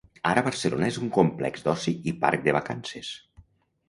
Ara Barcelona és un complex d'oci i parc de vacances.